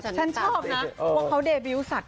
ฉันชอบนะว่าเขาเดบิวสัตว